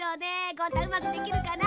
ゴン太うまくできるかな？